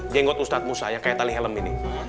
jenggot ustadz musa yang kayak tali helm ini